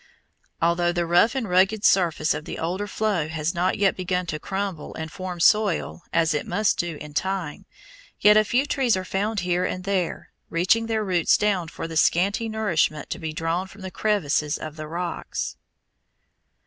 Although the rough and rugged surface of the older flow has not yet begun to crumble and form soil, as it must do in time, yet a few trees are found here and there, reaching their roots down for the scanty nourishment to be drawn from the crevices of the rocks.